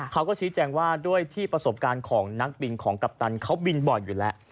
เขาก็ชี้แจงว่าด้วยที่ประสบการณ์ของนักบินของกัปตันเขาบินบ่อยอยู่แล้ว